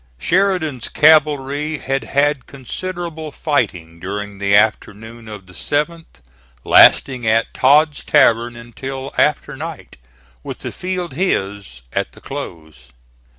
Sheridan's cavalry had had considerable fighting during the afternoon of the 7th, lasting at Todd's Tavern until after night, with the field his at the close.